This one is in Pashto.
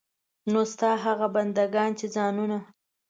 نو ستا هغه بندګان چې ځانونه.